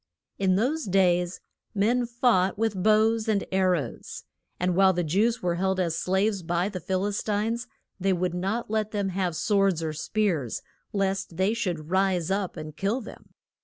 In those days men fought with bows and ar rows. And while the Jews were held as slaves by the Phil is tines they would not let them have swords or spears, lest they should rise up and kill them.